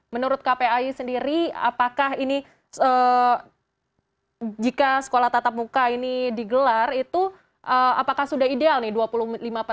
menurut kpai sendiri apakah ini jika sekolah tatap muka ini digelar itu apakah sudah ideal nih